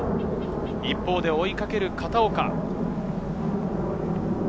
一方で追いかける片岡。